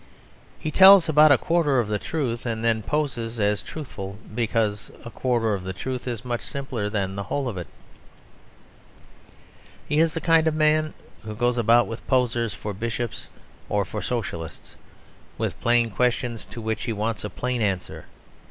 He tells about a quarter of the truth, and then poses as truthful because a quarter of the truth is much simpler than the whole of it. He is the kind of man who goes about with posers for Bishops or for Socialists, with plain questions to which he wants a plain answer.